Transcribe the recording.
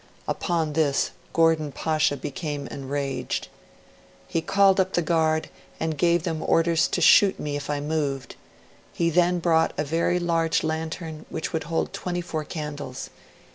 Upon this, Gordon Pasha became enraged. 'He called up the guard, and gave them orders to shoot me if I moved; he then brought a very large lantern which would hold twenty four candles.